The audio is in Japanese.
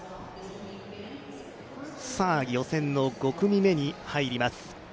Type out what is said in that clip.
予選の５組目に入ります。